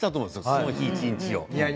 この日、一日を。